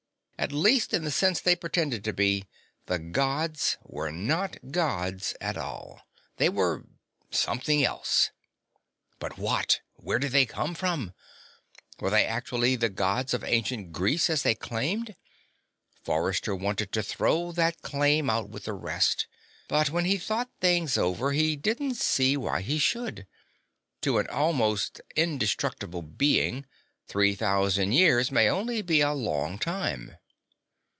At least in the sense they pretended to be, the "Gods" were not gods at all. They were something else. But what? Where did they come from? Were they actually the Gods of ancient Greece, as they claimed? Forrester wanted to throw that claim out with the rest, but when he thought things over he didn't see why he should. To an almost indestructible being, three thousand years may only be a long time.